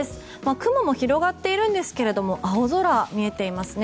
雲も広がっているんですが青空、見えていますね。